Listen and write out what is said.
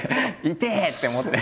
痛え！って思って。